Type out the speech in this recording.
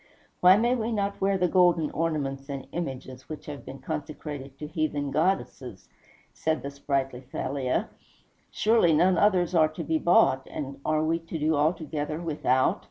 "Why may we not wear the golden ornaments and images which have been consecrated to heathen goddesses?" said the sprightly Thalia; "surely none others are to be bought, and are we to do altogether without?"